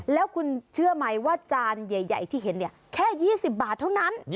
แล้วคุณเชื่อไหมว่าจานใหญ่ที่เห็นเนี่ยแค่๒๐บาทเท่านั้น